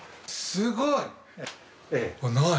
「すごい！」